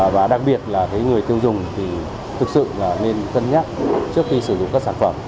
và đặc biệt là với người tiêu dùng thì thực sự là nên cân nhắc trước khi sử dụng các sản phẩm